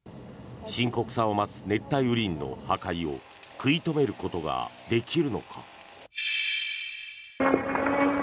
深刻さを増す熱帯雨林の破壊を食い止めることができるのか。